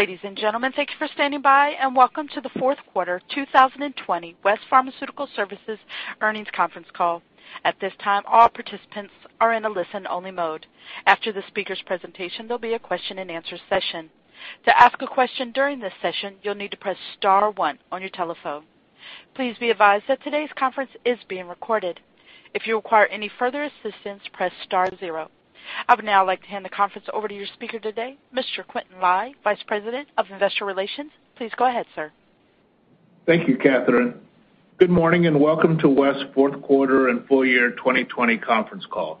Ladies and gentlemen, thank you for standing by, and welcome to the fourth quarter 2020 West Pharmaceutical Services earnings conference call. At this time, all participants are in a listen-only mode. After the speaker's presentation, there'll be a question-and-answer session. To ask a question during this session, you'll need to press star one on your telephone. Please be advised that today's conference is being recorded. If you require any further assistance, press star zero. I would now like to hand the conference over to your speaker today, Mr. Quintin Lai, Vice President of Investor Relations. Please go ahead, sir. Thank you, Katherine. Good morning and welcome to West's fourth quarter and full year 2020 conference call.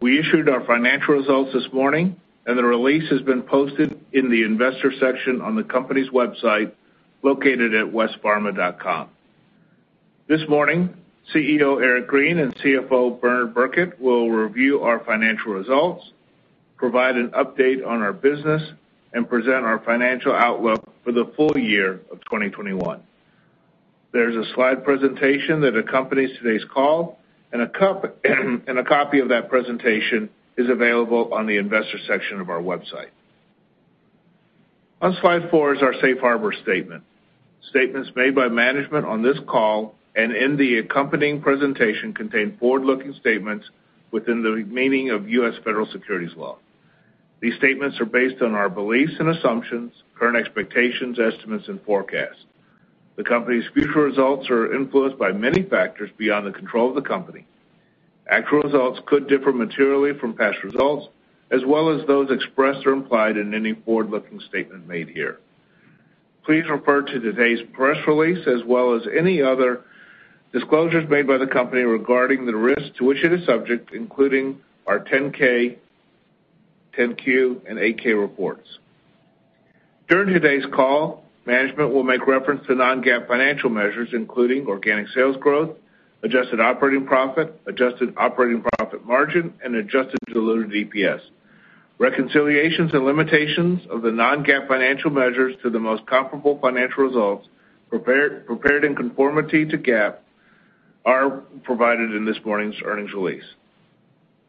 We issued our financial results this morning, and the release has been posted in the investor section on the company's website located at westpharma.com. This morning, CEO Eric Green and CFO Bernard Birkett will review our financial results, provide an update on our business, and present our financial outlook for the full year of 2021. There's a slide presentation that accompanies today's call, and a copy of that presentation is available on the investor section of our website. On slide four is our safe harbor statement. Statements made by management on this call and in the accompanying presentation contain forward-looking statements within the meaning of U.S. federal securities law. These statements are based on our beliefs and assumptions, current expectations, estimates, and forecasts. The company's future results are influenced by many factors beyond the control of the company. Actual results could differ materially from past results, as well as those expressed or implied in any forward-looking statement made here. Please refer to today's press release, as well as any other disclosures made by the company regarding the risks to which it is subject, including our 10-K, 10-Q, and 8-K reports. During today's call, management will make reference to non-GAAP financial measures, including organic sales growth, adjusted operating profit, adjusted operating profit margin, and adjusted diluted EPS. Reconciliations and limitations of the non-GAAP financial measures to the most comparable financial results prepared in conformity to GAAP are provided in this morning's earnings release.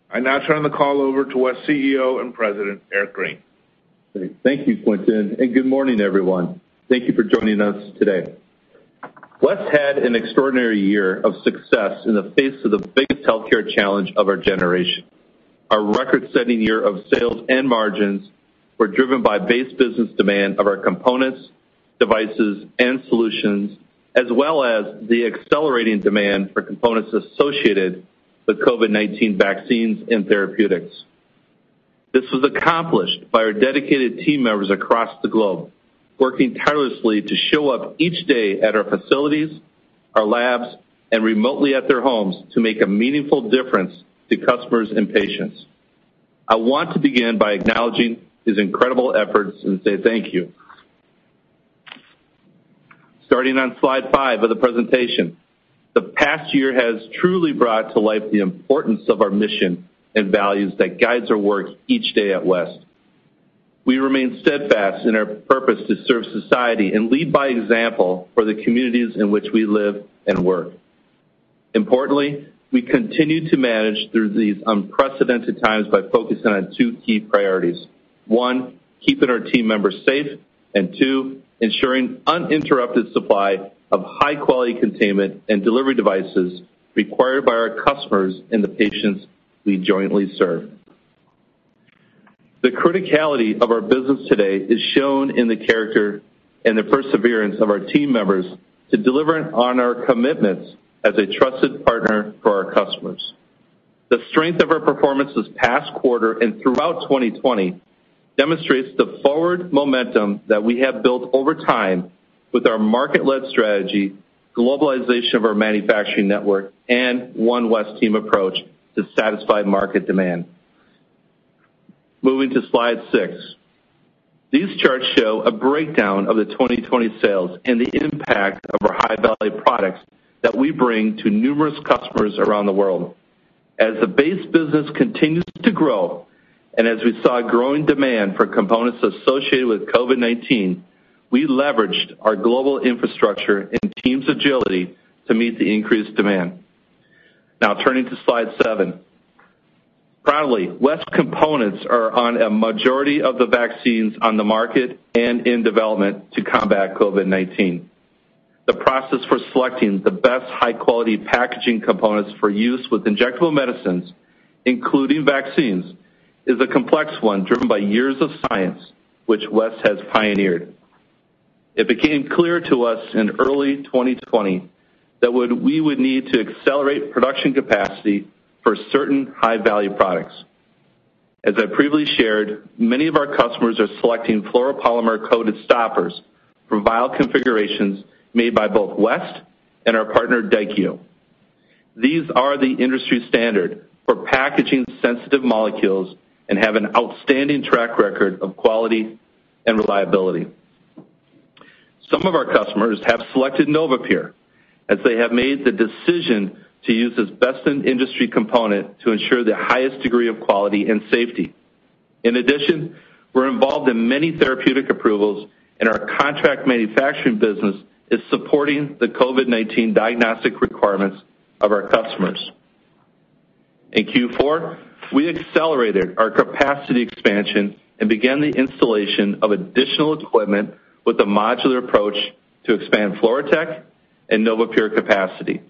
I now turn the call over to West CEO and President Eric Green. Thank you, Quintin. Good morning, everyone. Thank you for joining us today. West had an extraordinary year of success in the face of the biggest healthcare challenge of our generation. Our record-setting year of sales and margins were driven by base business demand of our components, devices, and solutions, as well as the accelerating demand for components associated with COVID-19 vaccines and therapeutics. This was accomplished by our dedicated team members across the globe, working tirelessly to show up each day at our facilities, our labs, and remotely at their homes to make a meaningful difference to customers and patients. I want to begin by acknowledging his incredible efforts and say thank you. Starting on slide five of the presentation, the past year has truly brought to light the importance of our mission and values that guide our work each day at West. We remain steadfast in our purpose to serve society and lead by example for the communities in which we live and work. Importantly, we continue to manage through these unprecedented times by focusing on two key priorities: one, keeping our team members safe, and two, ensuring uninterrupted supply of high-quality containment and delivery devices required by our customers and the patients we jointly serve. The criticality of our business today is shown in the character and the perseverance of our team members to deliver on our commitments as a trusted partner for our customers. The strength of our performance this past quarter and throughout 2020 demonstrates the forward momentum that we have built over time with our market-led strategy, globalization of our manufacturing network, and One West Team approach to satisfy market demand. Moving to slide six, these charts show a breakdown of the 2020 sales and the impact of our High-Value Products that we bring to numerous customers around the world. As the base business continues to grow, and as we saw growing demand for components associated with COVID-19, we leveraged our global infrastructure and team's agility to meet the increased demand. Now, turning to slide seven, proudly, West components are on a majority of the vaccines on the market and in development to combat COVID-19. The process for selecting the best high-quality packaging components for use with injectable medicines, including vaccines, is a complex one driven by years of science, which West has pioneered. It became clear to us in early 2020 that we would need to accelerate production capacity for certain High-Value Products. As I previously shared, many of our customers are selecting fluoropolymer-coated stoppers for vial configurations made by both West and our partner Daikyo. These are the industry standard for packaging sensitive molecules and have an outstanding track record of quality and reliability. Some of our customers have selected NovaPure as they have made the decision to use this best-in-industry component to ensure the highest degree of quality and safety. In addition, we're involved in many therapeutic approvals, and our Contract Manufacturing business is supporting the COVID-19 diagnostic requirements of our customers. In Q4, we accelerated our capacity expansion and began the installation of additional equipment with a modular approach to expand FluroTec and NovaPure capacity.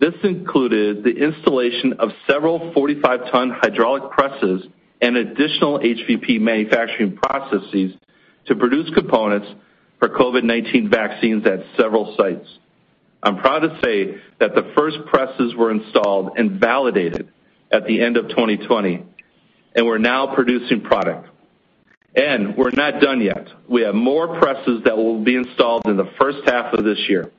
This included the installation of several 45-ton hydraulic presses and additional HVP manufacturing processes to produce components for COVID-19 vaccines at several sites. I'm proud to say that the first presses were installed and validated at the end of 2020, and we're now producing product, and we're not done yet. We have more presses that will be installed in the first half of this year.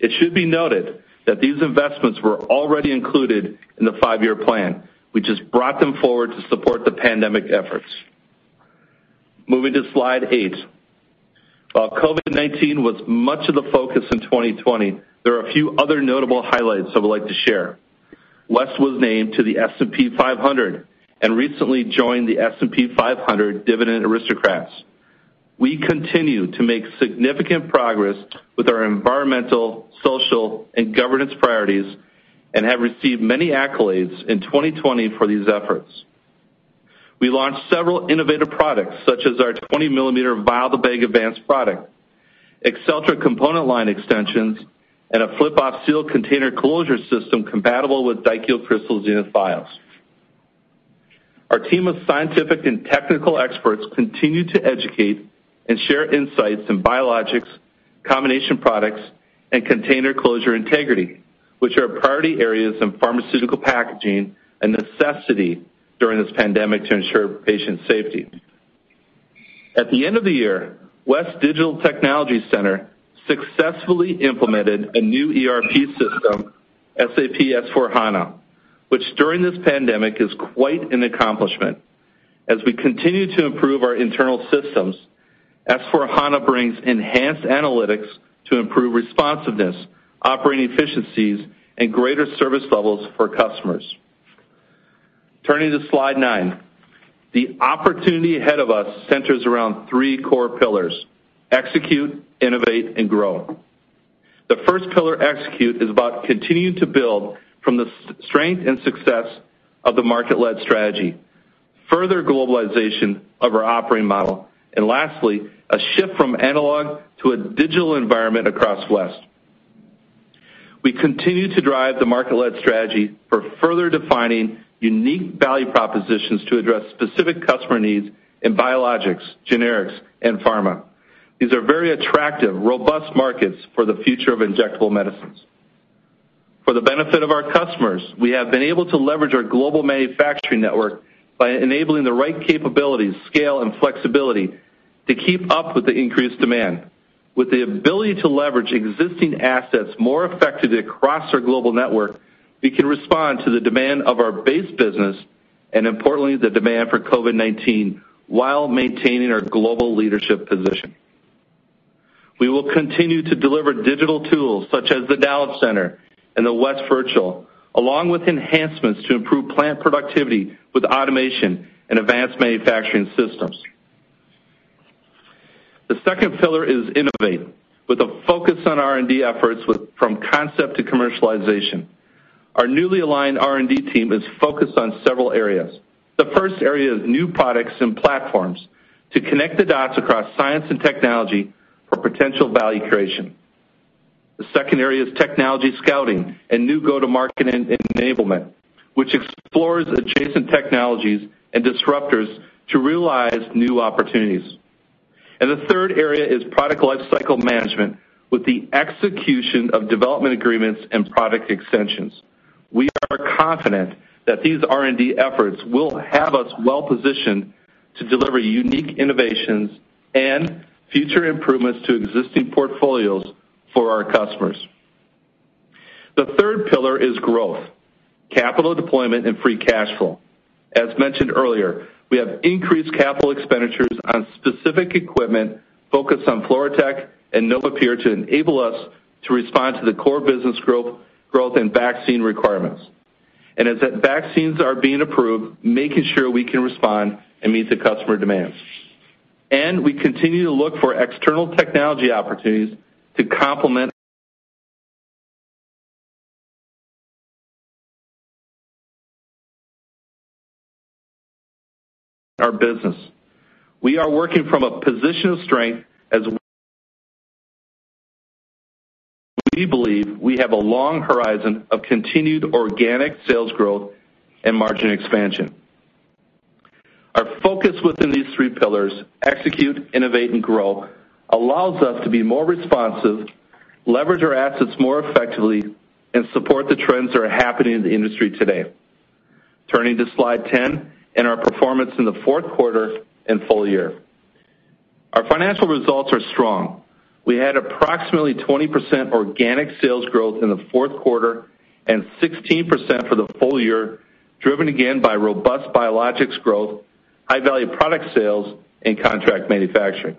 It should be noted that these investments were already included in the five-year plan. We just brought them forward to support the pandemic efforts. Moving to slide eight, while COVID-19 was much of the focus in 2020, there are a few other notable highlights I would like to share. West was named to the S&P 500 and recently joined the S&P 500 Dividend Aristocrats. We continue to make significant progress with our environmental, social, and governance priorities and have received many accolades in 2020 for these efforts. We launched several innovative products, such as our 20-millimeter Vial2Bag Advanced product, AccelTRA component line extensions, and a Flip-Off seal container closure system compatible with Daikyo Crystal Zenith. Our team of scientific and technical experts continue to educate and share insights in Biologics, combination products, and container closure integrity, which are priority areas in pharmaceutical packaging and necessity during this pandemic to ensure patient safety. At the end of the year, West's Digital Technology Center successfully implemented a new ERP system, SAP S/4HANA, which during this pandemic is quite an accomplishment. As we continue to improve our internal systems, S/4HANA brings enhanced analytics to improve responsiveness, operating efficiencies, and greater service levels for customers. Turning to slide nine, the opportunity ahead of us centers around three core pillars: execute, innovate, and grow. The first pillar, execute, is about continuing to build from the strength and success of the market-led strategy, further globalization of our operating model, and lastly, a shift from analog to a digital environment across West. We continue to drive the market-led strategy for further defining unique value propositions to address specific customer needs in Biologics, Generics, and Pharma. These are very attractive, robust markets for the future of injectable medicines. For the benefit of our customers, we have been able to leverage our global manufacturing network by enabling the right capabilities, scale, and flexibility to keep up with the increased demand. With the ability to leverage existing assets more effectively across our global network, we can respond to the demand of our base business and, importantly, the demand for COVID-19 while maintaining our global leadership position. We will continue to deliver digital tools such as the Knowledge Center and the West Virtual, along with enhancements to improve plant productivity with automation and advanced manufacturing systems. The second pillar is innovate, with a focus on R&D efforts from concept to commercialization. Our newly aligned R&D team is focused on several areas. The first area is new products and platforms to connect the dots across science and technology for potential value creation. The second area is technology scouting and new go-to-market enablement, which explores adjacent technologies and disruptors to realize new opportunities, and the third area is product life cycle management with the execution of development agreements and product extensions. We are confident that these R&D efforts will have us well-positioned to deliver unique innovations and future improvements to existing portfolios for our customers. The third pillar is growth, capital deployment, and free cash flow. As mentioned earlier, we have increased capital expenditures on specific equipment focused on FluroTec and NovaPure to enable us to respond to the core business growth and vaccine requirements, and as vaccines are being approved, making sure we can respond and meet the customer demands, and we continue to look for external technology opportunities to complement our business. We are working from a position of strength as we believe we have a long horizon of continued organic sales growth and margin expansion. Our focus within these three pillars, execute, innovate, and grow, allows us to be more responsive, leverage our assets more effectively, and support the trends that are happening in the industry today. Turning to slide 10 and our performance in the fourth quarter and full year, our financial results are strong. We had approximately 20% organic sales growth in the fourth quarter and 16% for the full year, driven again by robust Biologics growth, high-value product sales, and contract manufacturing.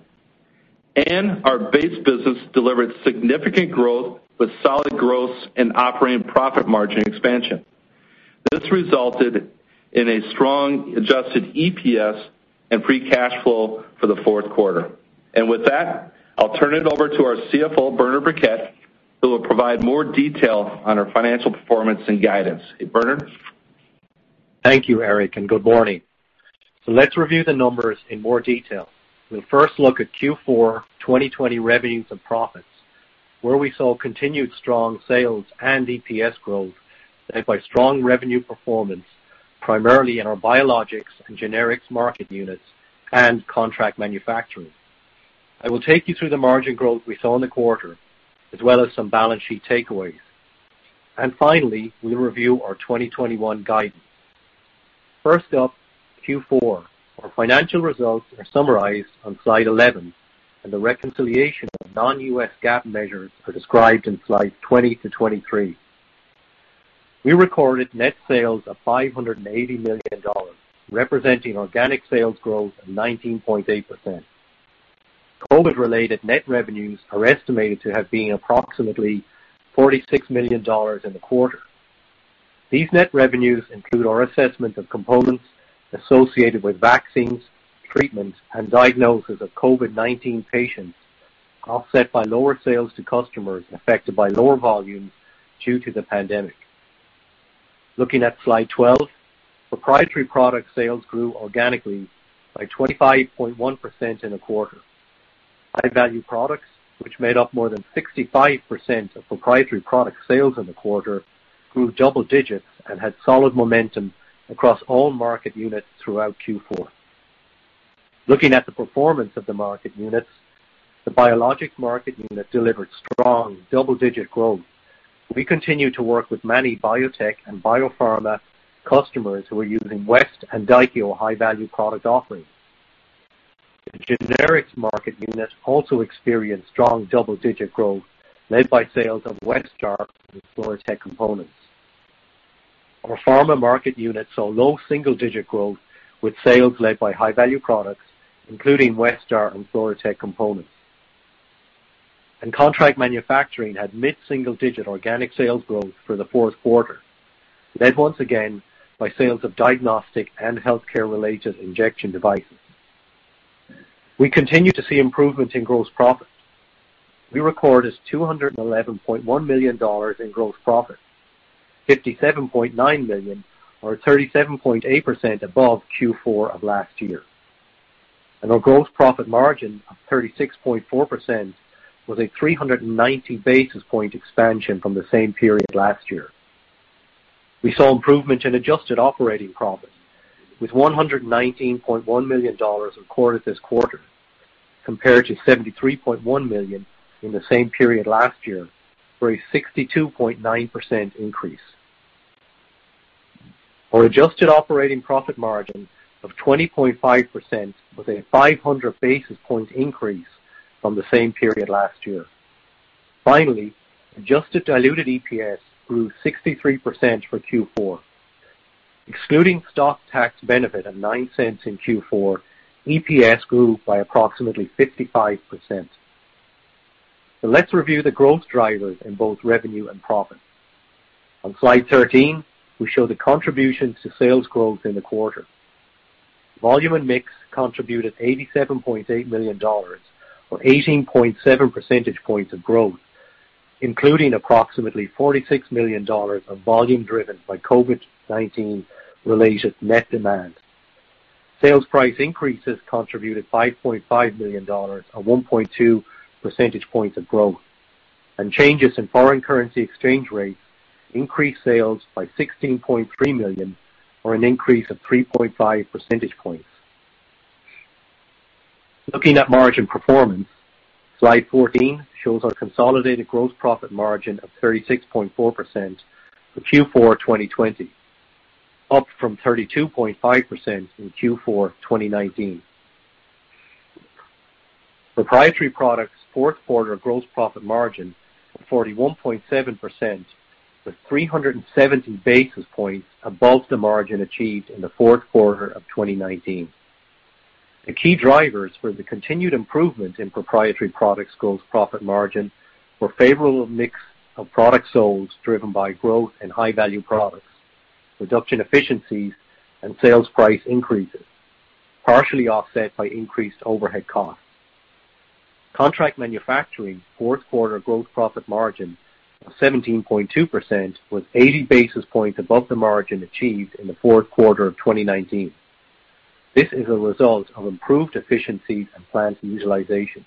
And our base business delivered significant growth with solid growth and operating profit margin expansion. This resulted in a strong adjusted EPS and free cash flow for the fourth quarter. And with that, I'll turn it over to our CFO, Bernard Birkett, who will provide more detail on our financial performance and guidance. Hey, Bernard. Thank you, Eric, and good morning. So let's review the numbers in more detail. We'll first look at Q4 2020 revenues and profits, where we saw continued strong sales and EPS growth led by strong revenue performance, primarily in our Biologics and Generics market units and contract manufacturing. I will take you through the margin growth we saw in the quarter, as well as some balance sheet takeaways. And finally, we'll review our 2021 guidance. First up, Q4, our financial results are summarized on slide 11, and the reconciliation of non-U.S. GAAP measures are described in slides 20 to 23. We recorded net sales of $580 million, representing organic sales growth of 19.8%. COVID-related net revenues are estimated to have been approximately $46 million in the quarter. These net revenues include our assessment of components associated with vaccines, treatment, and diagnosis of COVID-19 patients, offset by lower sales to customers affected by lower volumes due to the pandemic. Looking at slide 12, Proprietary Products sales grew organically by 25.1% in the quarter. High-Value Products, which made up more than 65% of Proprietary Products sales in the quarter, grew double digits and had solid momentum across all market units throughout Q4. Looking at the performance of the market units, the Biologics market unit delivered strong double-digit growth. We continue to work with many biotech and biopharma customers who are using West and Daikyo High-Value Product offerings. The Generics market unit also experienced strong double-digit growth, led by sales of Westar and FluroTec components. Our Pharma market unit saw low single-digit growth with sales led by High-Value Products, including Westar and FluroTec components. Contract manufacturing had mid-single-digit organic sales growth for the fourth quarter, led once again by sales of diagnostic and healthcare-related injection devices. We continue to see improvement in gross profit. We recorded $211.1 million in gross profit, $57.9 million, or 37.8% above Q4 of last year. Our gross profit margin of 36.4% was a 390 basis points expansion from the same period last year. We saw improvement in adjusted operating profit, with $119.1 million recorded this quarter, compared to $73.1 million in the same period last year, for a 62.9% increase. Our adjusted operating profit margin of 20.5% was a 500 basis points increase from the same period last year. Finally, adjusted diluted EPS grew 63% for Q4. Excluding stock tax benefit of $0.09 in Q4, EPS grew by approximately 55%. Let's review the growth drivers in both revenue and profit. On slide 13, we show the contributions to sales growth in the quarter. Volume and mix contributed $87.8 million, or 18.7 percentage points of growth, including approximately $46 million of volume driven by COVID-19-related net demand. Sales price increases contributed $5.5 million, or 1.2 percentage points of growth. And changes in foreign currency exchange rates increased sales by $16.3 million, or an increase of 3.5 percentage points. Looking at margin performance, slide 14 shows our consolidated gross profit margin of 36.4% for Q4 2020, up from 32.5% in Q4 2019. Proprietary products' fourth quarter gross profit margin was 41.7%, with 370 basis points above the margin achieved in the fourth quarter of 2019. The key drivers for the continued improvement in proprietary products' gross profit margin were favorable mix of product sales driven by growth and high-value products, production efficiencies, and sales price increases, partially offset by increased overhead costs. Contract manufacturing's fourth quarter gross profit margin was 17.2%, with 80 basis points above the margin achieved in the fourth quarter of 2019. This is a result of improved efficiencies and plant utilization.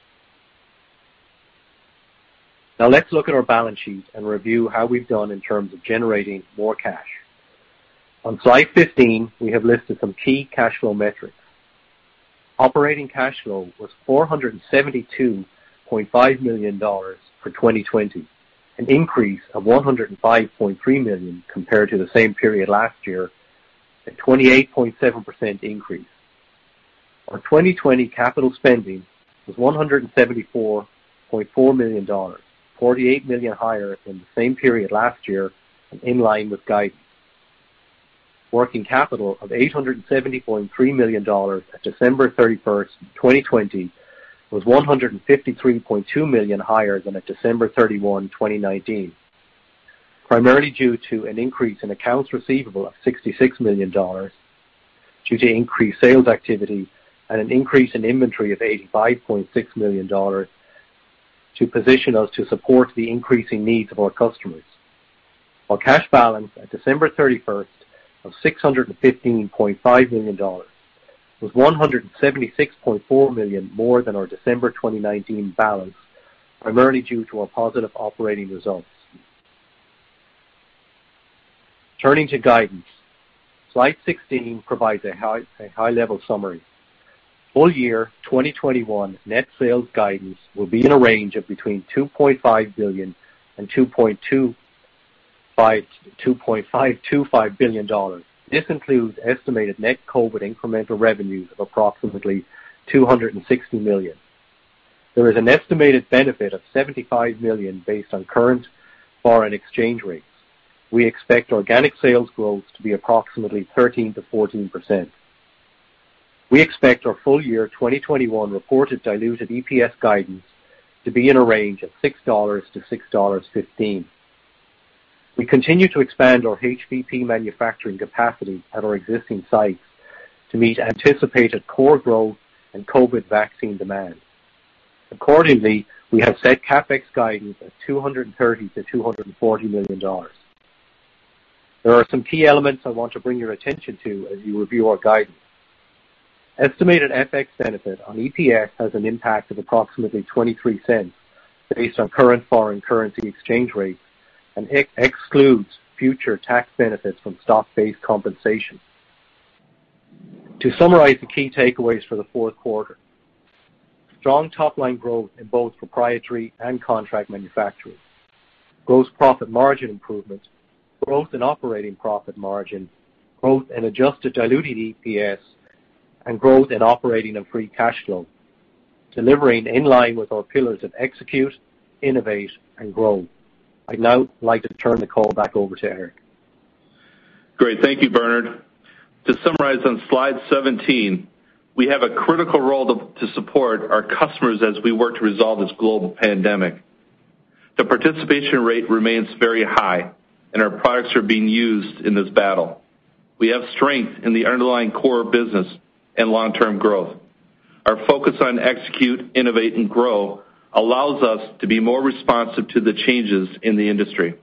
Now let's look at our balance sheet and review how we've done in terms of generating more cash. On slide 15, we have listed some key cash flow metrics. Operating cash flow was $472.5 million for 2020, an increase of $105.3 million compared to the same period last year, a 28.7% increase. Our 2020 capital spending was $174.4 million, $48 million higher than the same period last year and in line with guidance. Working capital of $870.3 million at December 31, 2020, was $153.2 million higher than at December 31, 2019, primarily due to an increase in accounts receivable of $66 million, due to increased sales activity, and an increase in inventory of $85.6 million to position us to support the increasing needs of our customers. Our cash balance at December 31 of $615.5 million was $176.4 million more than our December 2019 balance, primarily due to our positive operating results. Turning to guidance, slide 16 provides a high-level summary. Full year 2021 net sales guidance will be in a range of between $2.5 billion and $2.525 billion. This includes estimated net COVID incremental revenues of approximately $260 million. There is an estimated benefit of $75 million based on current foreign exchange rates. We expect organic sales growth to be approximately 13%-14%. We expect our full year 2021 reported diluted EPS guidance to be in a range of $6-$6.15. We continue to expand our HVP manufacturing capacity at our existing sites to meet anticipated core growth and COVID vaccine demand. Accordingly, we have set CapEx guidance at $230-$240 million. There are some key elements I want to bring your attention to as you review our guidance. Estimated FX benefit on EPS has an impact of approximately $0.23 based on current foreign currency exchange rates and excludes future tax benefits from stock-based compensation. To summarize the key takeaways for the fourth quarter: strong top-line growth in both proprietary and contract manufacturing, gross profit margin improvement, growth in operating profit margin, growth in adjusted diluted EPS, and growth in operating and free cash flow, delivering in line with our pillars of execute, innovate, and grow. I'd now like to turn the call back over to Eric. Great. Thank you, Bernard. To summarize on slide 17, we have a critical role to support our customers as we work to resolve this global pandemic. The participation rate remains very high, and our products are being used in this battle. We have strength in the underlying core business and long-term growth. Our focus on execute, innovate, and grow allows us to be more responsive to the changes in the industry.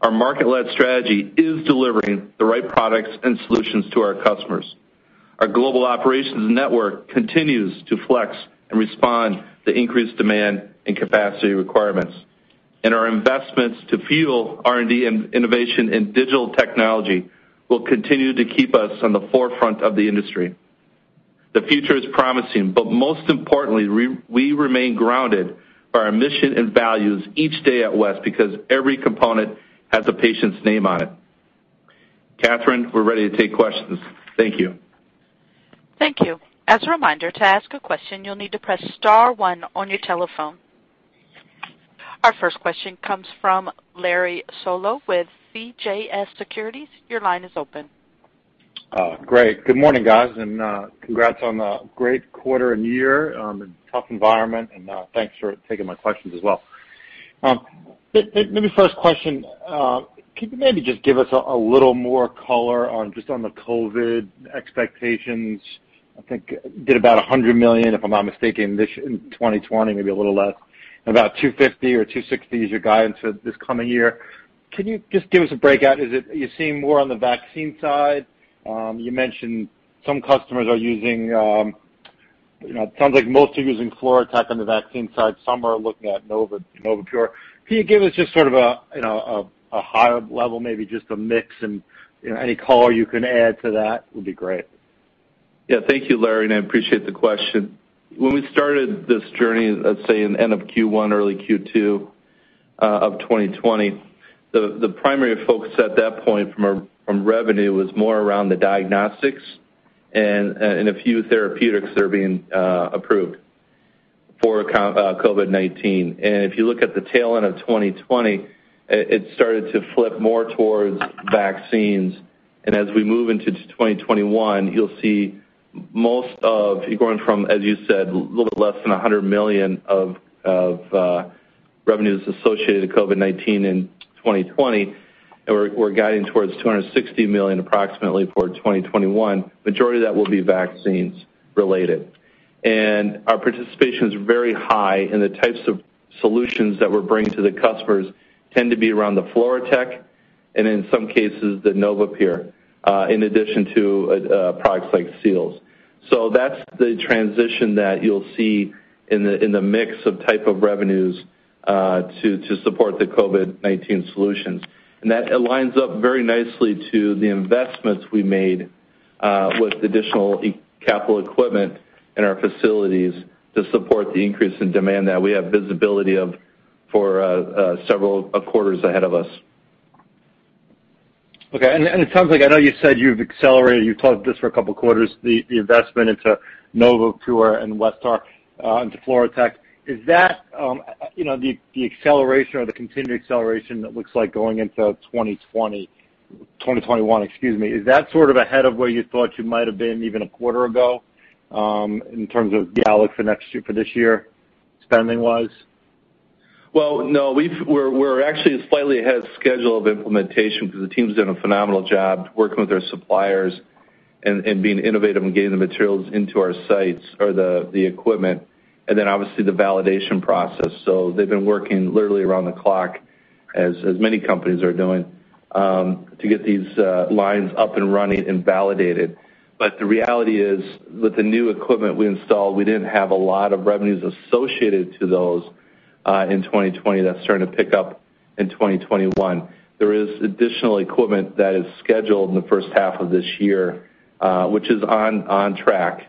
Our market-led strategy is delivering the right products and solutions to our customers. Our global operations network continues to flex and respond to increased demand and capacity requirements, and our investments to fuel R&D and innovation in digital technology will continue to keep us on the forefront of the industry. The future is promising, but most importantly, we remain grounded by our mission and values each day at West because every component has a patient's name on it. Katherine, we're ready to take questions. Thank you. Thank you. As a reminder, to ask a question, you'll need to press star one on your telephone. Our first question comes from Larry Solow with CJS Securities. Your line is open. Great. Good morning, guys, and congrats on a great quarter and year in a tough environment. And thanks for taking my questions as well. Let me first question, can you maybe just give us a little more color on just on the COVID expectations? I think you did about $100 million, if I'm not mistaken, in 2020, maybe a little less. And about $250 million or $260 million is your guidance for this coming year. Can you just give us a breakout? Is it you're seeing more on the vaccine side? You mentioned some customers are using it. It sounds like most are using FluroTec on the vaccine side. Some are looking at NovaPure. Can you give us just sort of a higher level, maybe just a mix? And any color you can add to that would be great. Yeah. Thank you, Larry. And I appreciate the question. When we started this journey, let's say in the end of Q1, early Q2 of 2020, the primary focus at that point from revenue was more around the diagnostics and a few therapeutics that are being approved for COVID-19. And if you look at the tailend of 2020, it started to flip more towards vaccines. And as we move into 2021, you'll see most of you're going from, as you said, a little bit less than $100 million of revenues associated with COVID-19 in 2020. And we're guiding towards $260 million approximately for 2021. The majority of that will be vaccines related. And our participation is very high, and the types of solutions that we're bringing to the customers tend to be around the FluroTec and, in some cases, the NovaPure, in addition to products like seals. So that's the transition that you'll see in the mix of type of revenues to support the COVID-19 solutions. And that aligns up very nicely to the investments we made with additional capital equipment in our facilities to support the increase in demand that we have visibility of for several quarters ahead of us. Okay. And it sounds like I know you said you've accelerated. You've talked about this for a couple of quarters, the investment into NovaPure and Westar and to FluroTec. Is that the acceleration or the continued acceleration that looks like going into 2020, 2021, excuse me, is that sort of ahead of where you thought you might have been even a quarter ago in terms of the outlook for this year? Spending wise? Well, no. We're actually slightly ahead of schedule of implementation because the team's done a phenomenal job working with our suppliers and being innovative in getting the materials into our sites or the equipment. And then, obviously, the validation process. So they've been working literally around the clock, as many companies are doing, to get these lines up and running and validated. But the reality is, with the new equipment we installed, we didn't have a lot of revenues associated to those in 2020 that's starting to pick up in 2021. There is additional equipment that is scheduled in the first half of this year, which is on track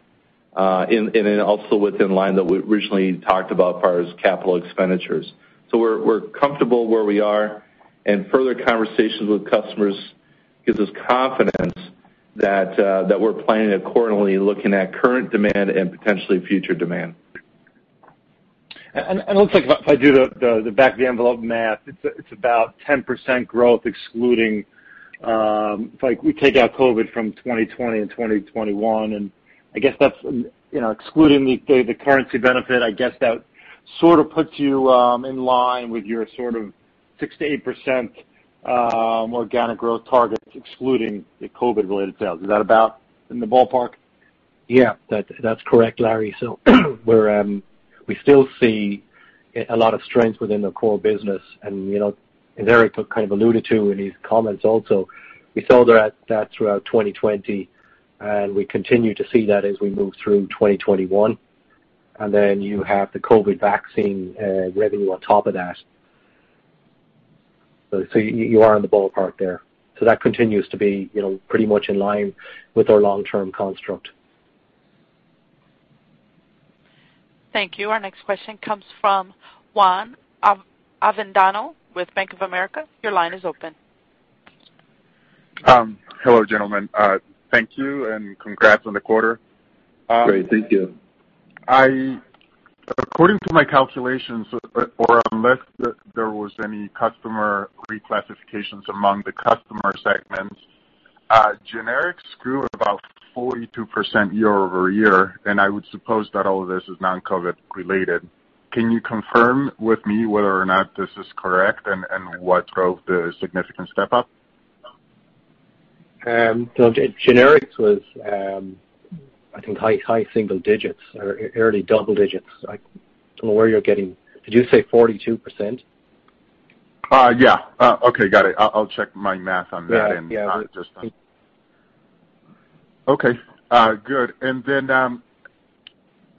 and also within line that we originally talked about as far as capital expenditures. So we're comfortable where we are. And further conversations with customers gives us confidence that we're planning accordingly, looking at current demand and potentially future demand. It looks like, if I do the back-of-the-envelope math, it's about 10% growth excluding if we take out COVID from 2020 and 2021. I guess that's excluding the currency benefit. I guess that sort of puts you in line with your sort of 6%-8% organic growth targets excluding the COVID-related sales. Is that about in the ballpark? Yeah. That's correct, Larry. So we still see a lot of strength within the core business. And as Eric kind of alluded to in his comments also, we saw that throughout 2020, and we continue to see that as we move through 2021. And then you have the COVID vaccine revenue on top of that. So you are in the ballpark there. So that continues to be pretty much in line with our long-term construct. Thank you. Our next question comes from Juan Avendano with Bank of America. Your line is open. Hello, gentlemen. Thank you and congrats on the quarter. Great. Thank you. According to my calculations, or unless there was any customer reclassifications among the customer segments, Generics grew about 42% year-over-year, and I would suppose that all of this is non-COVID related. Can you confirm with me whether or not this is correct and what drove the significant step-up? So Generics was, I think, high single digits or early double digits. I don't know where you're getting. Did you say 42%? Yeah. Okay. Got it. I'll check my math on that and just. Yeah. Yeah. Okay. Good. And then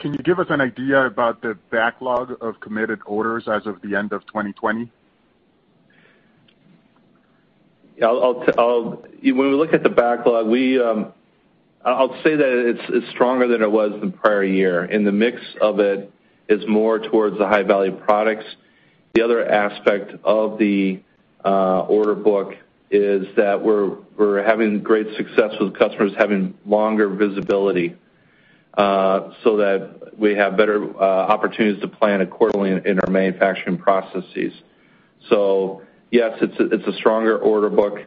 can you give us an idea about the backlog of committed orders as of the end of 2020? Yeah. When we look at the backlog, I'll say that it's stronger than it was the prior year, and the mix of it is more towards the high-value products. The other aspect of the order book is that we're having great success with customers having longer visibility so that we have better opportunities to plan accordingly in our manufacturing processes, so yes, it's a stronger order book.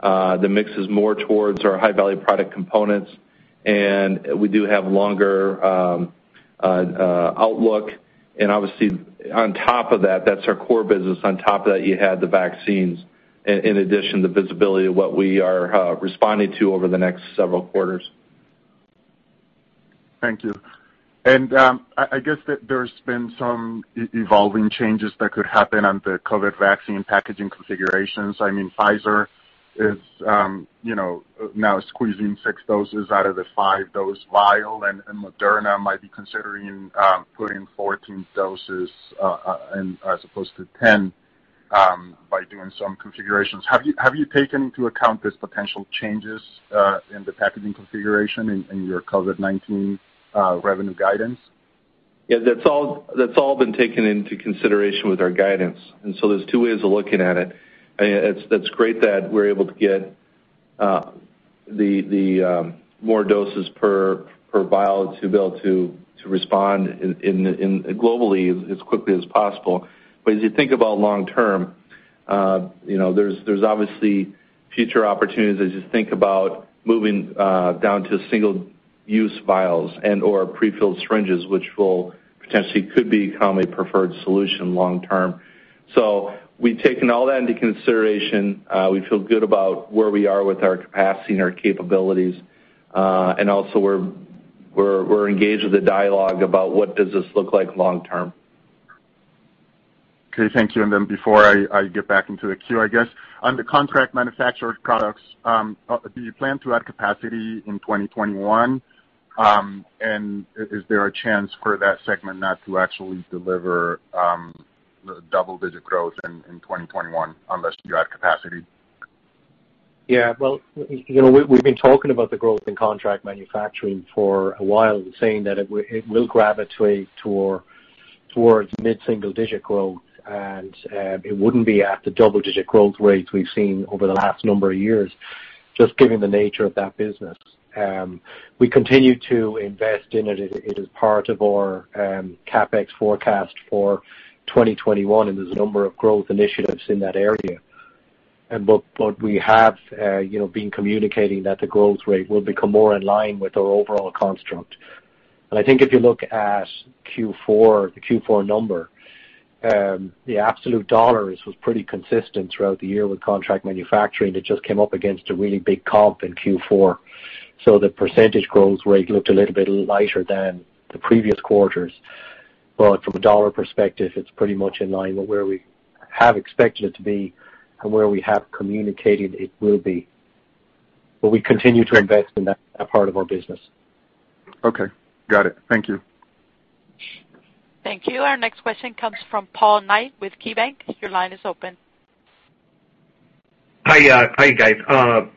The mix is more towards our high-value product components, and we do have longer outlook, and obviously, on top of that, that's our core business. On top of that, you had the vaccines, in addition to the visibility of what we are responding to over the next several quarters. Thank you. And I guess that there's been some evolving changes that could happen on the COVID vaccine packaging configurations. I mean, Pfizer is now squeezing six doses out of the five-dose vial, and Moderna might be considering putting 14 doses as opposed to 10 by doing some configurations. Have you taken into account these potential changes in the packaging configuration in your COVID-19 revenue guidance? Yeah. That's all been taken into consideration with our guidance. And so there's two ways of looking at it. And it's great that we're able to get the more doses per vial to be able to respond globally as quickly as possible. But as you think about long-term, there's obviously future opportunities as you think about moving down to single-use vials and/or prefilled syringes, which potentially could become a preferred solution long-term. So we've taken all that into consideration. We feel good about where we are with our capacity and our capabilities. And also, we're engaged with the dialogue about what does this look like long-term. Okay. Thank you. And then before I get back into the queue, I guess, on the contract manufactured products, do you plan to add capacity in 2021? And is there a chance for that segment not to actually deliver double-digit growth in 2021 unless you add capacity? Yeah. Well, we've been talking about the growth in contract manufacturing for a while and saying that it will gravitate towards mid-single-digit growth, and it wouldn't be at the double-digit growth rates we've seen over the last number of years, just given the nature of that business. We continue to invest in it. It is part of our CapEx forecast for 2021, and there's a number of growth initiatives in that area, but we have been communicating that the growth rate will become more in line with our overall construct, and I think if you look at Q4, the Q4 number, the absolute dollars was pretty consistent throughout the year with contract manufacturing. It just came up against a really big comp in Q4, so the percentage growth rate looked a little bit lighter than the previous quarters. But from a dollar perspective, it's pretty much in line with where we have expected it to be and where we have communicated it will be. But we continue to invest in that part of our business. Okay. Got it. Thank you. Thank you. Our next question comes from Paul Knight with KeyBanc. Your line is open. Hi, guys.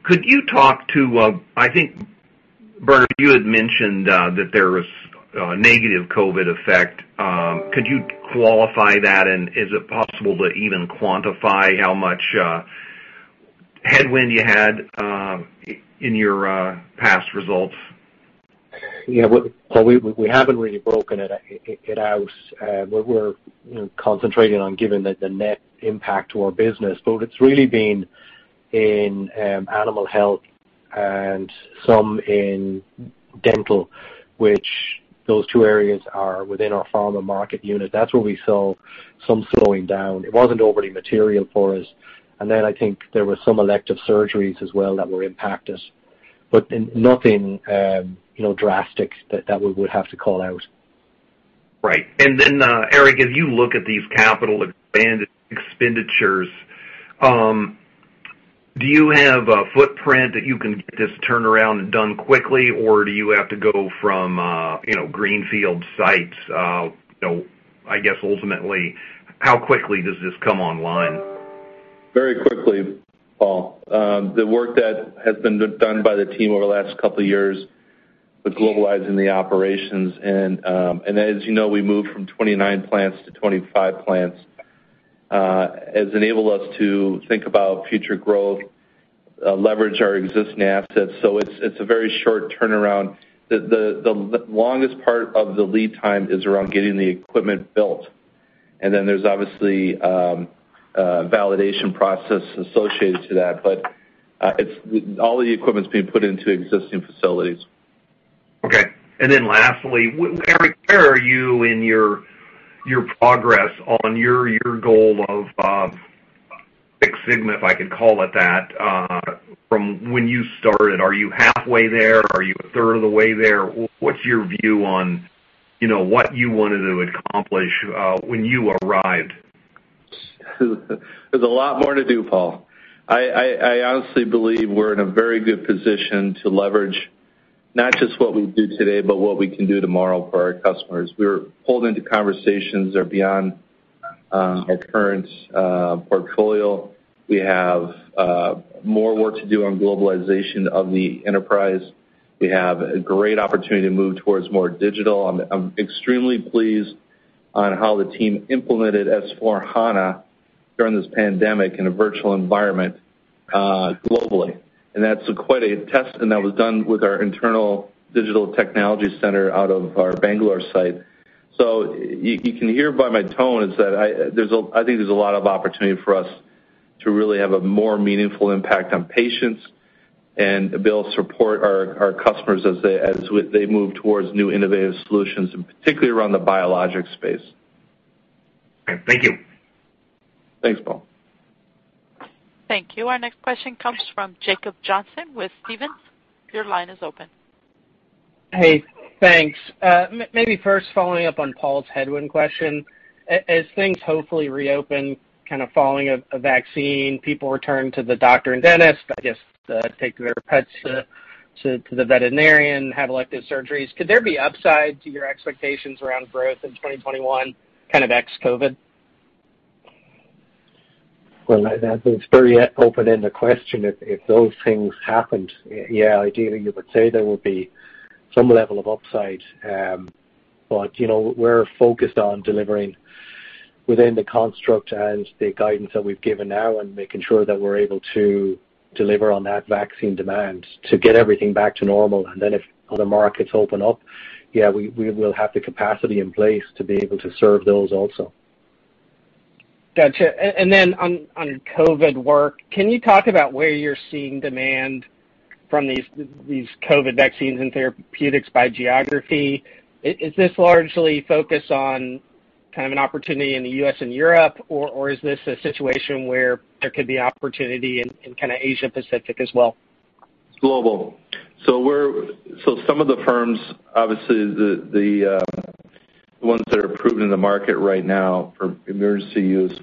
Could you talk about, I think, Bernard, you had mentioned that there was a negative COVID effect. Could you qualify that, and is it possible to even quantify how much headwind you had in your past results? Yeah. Well, we haven't really broken it out. We're concentrating on giving the net impact to our business. But it's really been in animal health and some in dental, which those two areas are within our Pharma market unit. That's where we saw some slowing down. It wasn't overly material for us. And then I think there were some elective surgeries as well that were impacted, but nothing drastic that we would have to call out. Right, and then, Eric, as you look at these capital expenditures, do you have a footprint that you can get this turned around and done quickly, or do you have to go from greenfield sites? I guess, ultimately, how quickly does this come online? Very quickly, Paul. The work that has been done by the team over the last couple of years with globalizing the operations and, as you know, we moved from 29 plants to 25 plants has enabled us to think about future growth, leverage our existing assets. So it's a very short turnaround. The longest part of the lead time is around getting the equipment built. And then there's obviously a validation process associated to that. But all the equipment's being put into existing facilities. Okay. And then lastly, Eric, where are you in your progress on your goal of Six Sigma, if I could call it that, from when you started? Are you halfway there? Are you a third of the way there? What's your view on what you wanted to accomplish when you arrived? There's a lot more to do, Paul. I honestly believe we're in a very good position to leverage not just what we do today, but what we can do tomorrow for our customers. We're pulled into conversations that are beyond our current portfolio. We have more work to do on globalization of the enterprise. We have a great opportunity to move towards more digital. I'm extremely pleased on how the team implemented S/4HANA during this pandemic in a virtual environment globally, and that's quite a test that was done with our internal digital technology center out of our Bangalore site, so you can hear by my tone is that I think there's a lot of opportunity for us to really have a more meaningful impact on patients and be able to support our customers as they move towards new innovative solutions, particularly around the Biologics space. Okay. Thank you. Thanks, Paul. Thank you. Our next question comes from Jacob Johnson with Stephens. Your line is open. Hey. Thanks. Maybe first, following up on Paul's headwind question, as things hopefully reopen, kind of following a vaccine, people return to the doctor and dentist, I guess, take their pets to the veterinarian, have elective surgeries. Could there be upside to your expectations around growth in 2021, kind of ex-COVID? Well, that's very open-ended question. If those things happened, yeah, ideally, you would say there would be some level of upside. But we're focused on delivering within the construct and the guidance that we've given now and making sure that we're able to deliver on that vaccine demand to get everything back to normal. And then if other markets open up, yeah, we will have the capacity in place to be able to serve those also. Gotcha. And then on COVID work, can you talk about where you're seeing demand from these COVID vaccines and therapeutics by geography? Is this largely focused on kind of an opportunity in the U.S. and Europe, or is this a situation where there could be opportunity in kind of Asia-Pacific as well? Global. So some of the firms, obviously, the ones that are approved in the market right now for emergency use,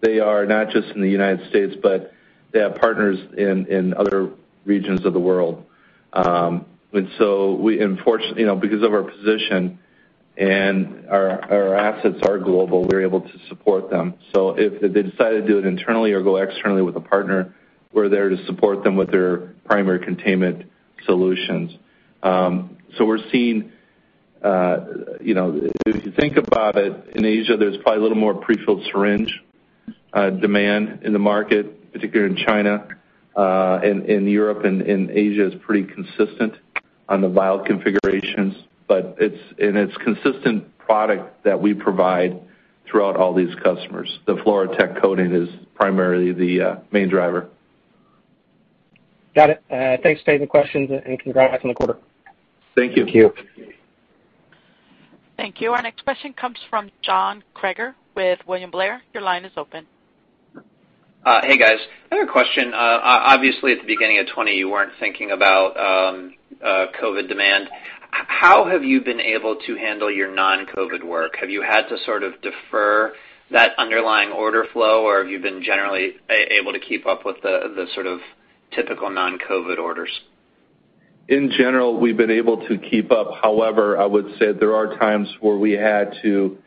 they are not just in the United States, but they have partners in other regions of the world. And so, unfortunately, because of our position and our assets are global, we're able to support them. So if they decide to do it internally or go externally with a partner, we're there to support them with their primary containment solutions. So we're seeing if you think about it, in Asia, there's probably a little more prefilled syringe demand in the market, particularly in China. And Europe and Asia is pretty consistent on the vial configurations. And it's consistent product that we provide throughout all these customers. The FluroTec coating is primarily the main driver. Got it. Thanks for taking the questions and congrats on the quarter. Thank you. Thank you. Thank you. Our next question comes from John Kreger with William Blair. Your line is open. Hey, guys. I have a question. Obviously, at the beginning of 2020, you weren't thinking about COVID demand. How have you been able to handle your non-COVID work? Have you had to sort of defer that underlying order flow, or have you been generally able to keep up with the sort of typical non-COVID orders? In general, we've been able to keep up. However, I would say there are times where we had to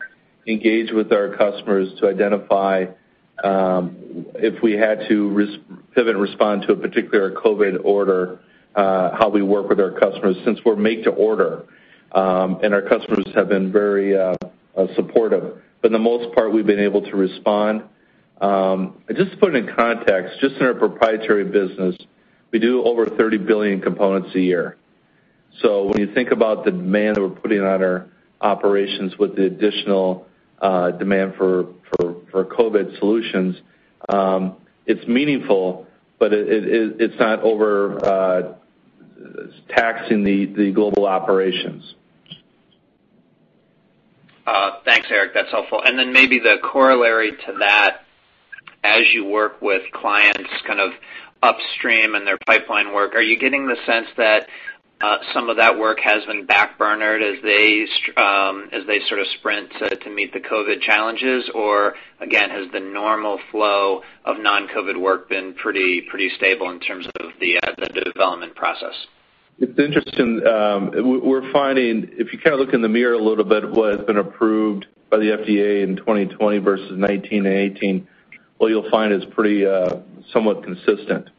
engage with our customers to identify if we had to pivot and respond to a particular COVID order, how we work with our customers, since we're make-to-order and our customers have been very supportive. But for the most part, we've been able to respond. Just to put it in context, just in our proprietary business, we do over 30 billion components a year. So when you think about the demand that we're putting on our operations with the additional demand for COVID solutions, it's meaningful, but it's not overtaxing the global operations. Thanks, Eric. That's helpful. And then maybe the corollary to that, as you work with clients kind of upstream in their pipeline work, are you getting the sense that some of that work has been backburnered as they sort of sprint to meet the COVID challenges? Or, again, has the normal flow of non-COVID work been pretty stable in terms of the development process? It's interesting. If you kind of look in the mirror a little bit at what has been approved by the FDA in 2020 versus 2019 and 2018, what you'll find is pretty somewhat consistent,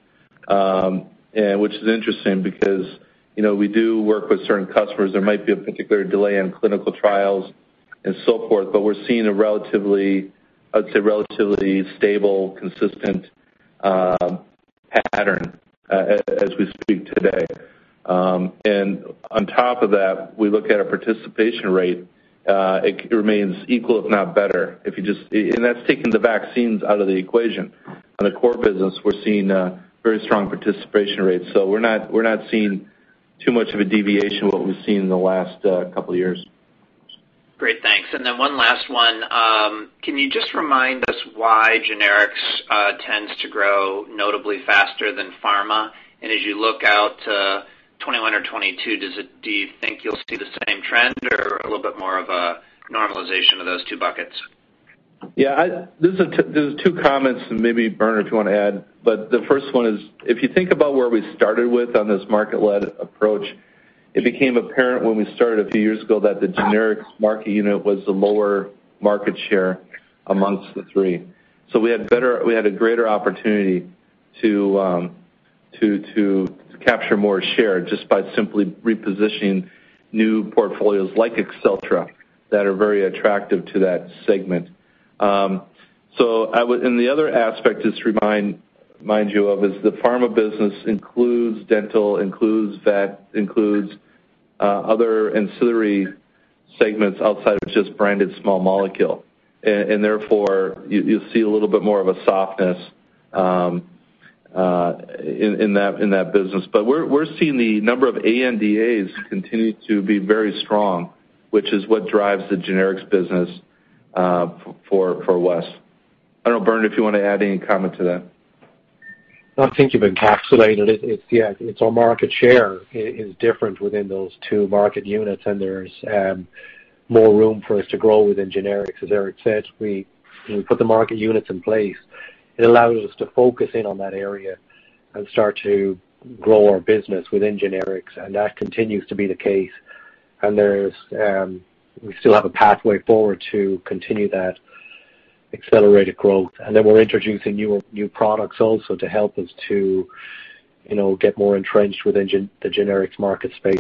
which is interesting because we do work with certain customers. There might be a particular delay in clinical trials and so forth, but we're seeing a relatively, I'd say, relatively stable, consistent pattern as we speak today. And on top of that, we look at our participation rate. It remains equal, if not better. And that's taking the vaccines out of the equation. On the core business, we're seeing very strong participation rates. So we're not seeing too much of a deviation from what we've seen in the last couple of years. Great. Thanks. And then one last one. Can you just remind us why Generics tends to grow notably faster than pharma? And as you look out to 2021 or 2022, do you think you'll see the same trend or a little bit more of a normalization of those two buckets? Yeah. There's two comments, and maybe Bernard, if you want to add. But the first one is, if you think about where we started with on this market-led approach, it became apparent when we started a few years ago that the Generics market unit was the lower market share amongst the three. So we had a greater opportunity to capture more share just by simply repositioning new portfolios like AccelTRA that are very attractive to that segment. So in the other aspect to remind you of is the pharma business includes dental, includes vet, includes other ancillary segments outside of just branded small molecule. And therefore, you'll see a little bit more of a softness in that business. But we're seeing the number of ANDAs continue to be very strong, which is what drives the Generics business for West. I don't know, Bernard, if you want to add any comment to that. I think you've encapsulated it. Yeah. It's our market share is different within those two market units, and there's more room for us to grow within Generics. As Eric said, we put the market units in place. It allows us to focus in on that area and start to grow our business within generics. And that continues to be the case. And we still have a pathway forward to continue that accelerated growth. And then we're introducing new products also to help us to get more entrenched within the generics market space.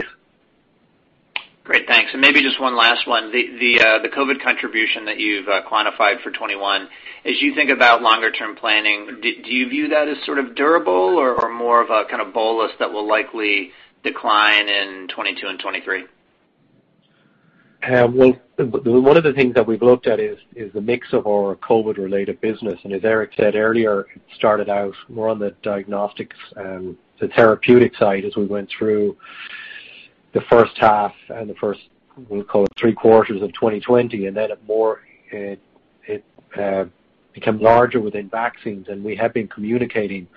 Great. Thanks. And maybe just one last one. The COVID contribution that you've quantified for 2021, as you think about longer-term planning, do you view that as sort of durable or more of a kind of bolus that will likely decline in 2022 and 2023? Well, one of the things that we've looked at is the mix of our COVID-related business, and as Eric said earlier, it started out more on the diagnostics, the therapeutic side as we went through the first half and the first, we'll call it, three quarters of 2020, and then it became larger within vaccines, and we have been communicating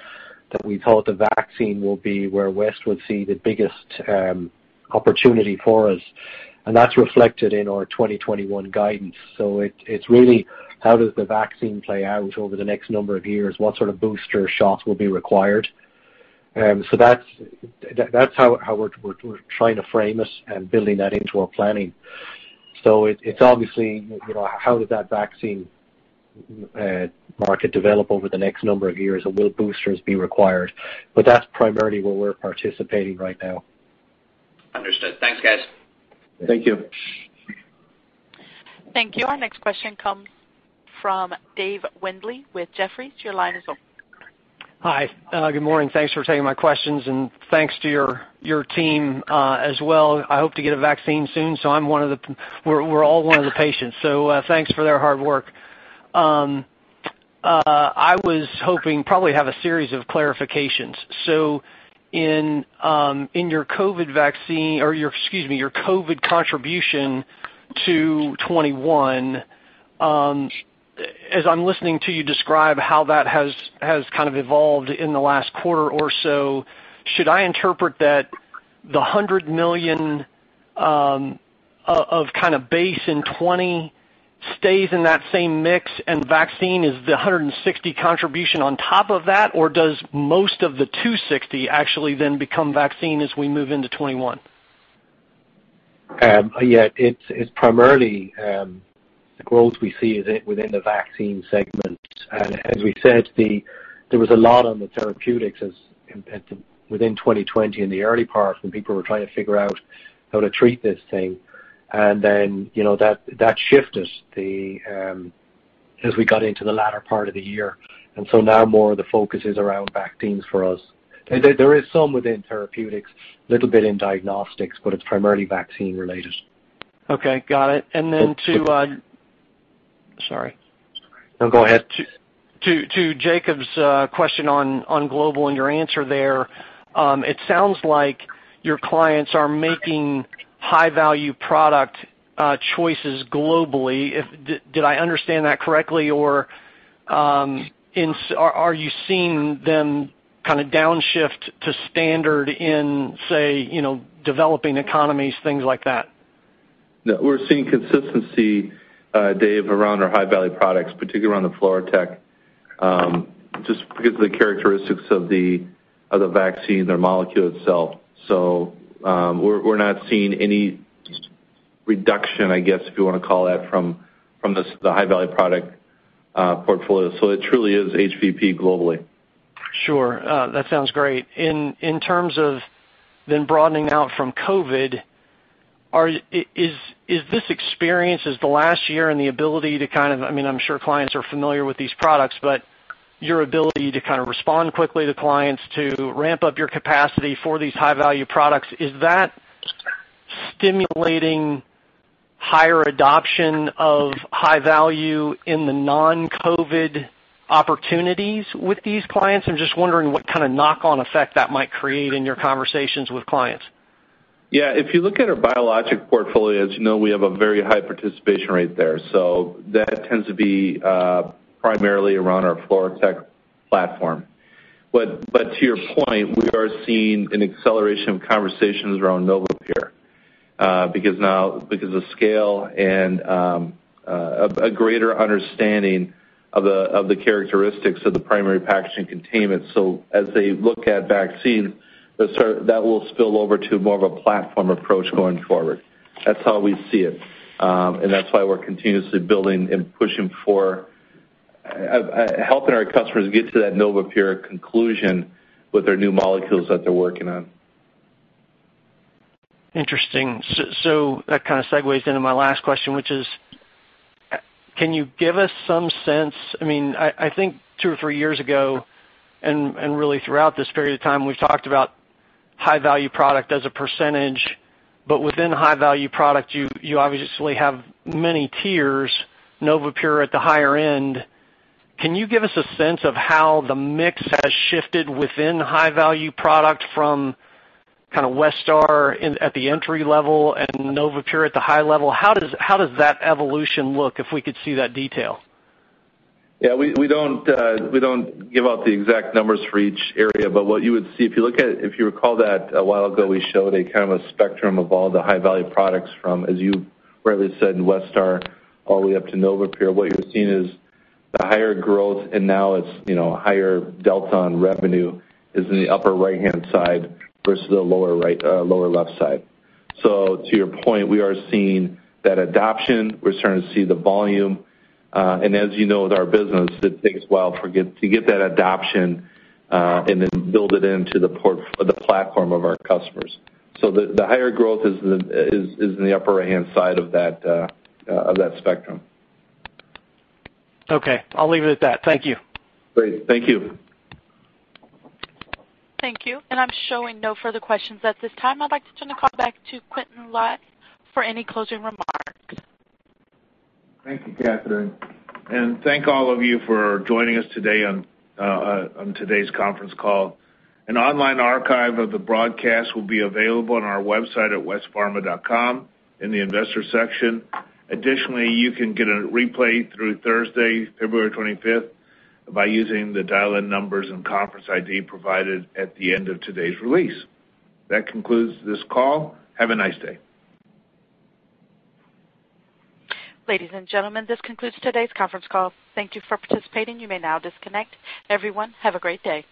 that we thought the vaccine will be where West would see the biggest opportunity for us, and that's reflected in our 2021 guidance, so it's really how does the vaccine play out over the next number of years, what sort of booster shots will be required, so that's how we're trying to frame us and building that into our planning, so it's obviously how does that vaccine market develop over the next number of years and will boosters be required, but that's primarily where we're participating right now. Understood. Thanks, guys. Thank you. Thank you. Our next question comes from Dave Windley with Jefferies. Your line is open. Hi. Good morning. Thanks for taking my questions. And thanks to your team as well. I hope to get a vaccine soon. So I'm one of the—we're all one of the patients. So thanks for their hard work. I was hoping to probably have a series of clarifications. So in your COVID vaccine or, excuse me, your COVID contribution to 2021, as I'm listening to you describe how that has kind of evolved in the last quarter or so, should I interpret that the $100 million of kind of base in 2020 stays in that same mix and vaccine is the $160 contribution on top of that, or does most of the $260 actually then become vaccine as we move into 2021? Yeah. It's primarily the growth we see within the vaccine segment. And as we said, there was a lot on the therapeutics within 2020 in the early part when people were trying to figure out how to treat this thing. And then that shifted as we got into the latter part of the year. And so now more of the focus is around vaccines for us. There is some within therapeutics, a little bit in diagnostics, but it's primarily vaccine-related. Okay. Got it. Sorry. No, go ahead. To Jacob's question on global and your answer there, it sounds like your clients are making high-value product choices globally. Did I understand that correctly? Or are you seeing them kind of downshift to standard in, say, developing economies, things like that? No. We're seeing consistency, Dave, around our high-value products, particularly around the FluroTec, just because of the characteristics of the vaccine, their molecule itself. So we're not seeing any reduction, I guess, if you want to call that, from the high-value product portfolio. So it truly is HVP globally. Sure. That sounds great. In terms of then broadening out from COVID, is this experience as the last year and the ability to kind of, I mean, I'm sure clients are familiar with these products, but your ability to kind of respond quickly to clients to ramp up your capacity for these high-value products, is that stimulating higher adoption of high-value in the non-COVID opportunities with these clients? I'm just wondering what kind of knock-on effect that might create in your conversations with clients. Yeah. If you look at our biologic portfolio, as you know, we have a very high participation rate there. So that tends to be primarily around our FluroTec platform. But to your point, we are seeing an acceleration of conversations around NovaPure because of scale and a greater understanding of the characteristics of the primary packaging containment. So as they look at vaccines, that will spill over to more of a platform approach going forward. That's how we see it. And that's why we're continuously building and pushing for helping our customers get to that NovaPure conclusion with their new molecules that they're working on. Interesting. So that kind of segues into my last question, which is, can you give us some sense? I mean, I think two or three years ago and really throughout this period of time, we've talked about high-value product as a percentage. But within high-value product, you obviously have many tiers. NovaPure at the higher end. Can you give us a sense of how the mix has shifted within high-value product from kind of Westar at the entry level and NovaPure at the high level? How does that evolution look if we could see that detail? Yeah. We don't give out the exact numbers for each area. But what you would see, if you look at—if you recall that a while ago, we showed a kind of a spectrum of all the high-value products from, as you rightly said, Westar all the way up to NovaPure. What you're seeing is the higher growth, and now it's higher delta on revenue is in the upper right-hand side versus the lower left side. So to your point, we are seeing that adoption. We're starting to see the volume. And as you know, with our business, it takes a while to get that adoption and then build it into the platform of our customers. So the higher growth is in the upper right-hand side of that spectrum. Okay. I'll leave it at that. Thank you. Great. Thank you. Thank you. And I'm showing no further questions at this time. I'd like to turn the call back to Quintin Lai for any closing remarks. Thank you, Katherine, and thank all of you for joining us today on today's conference call. An online archive of the broadcast will be available on our website at westpharma.com in the investor section. Additionally, you can get a replay through Thursday, February 25th, by using the dial-in numbers and conference ID provided at the end of today's release. That concludes this call. Have a nice day. Ladies and gentlemen, this concludes today's conference call. Thank you for participating. You may now disconnect. Everyone, have a great day.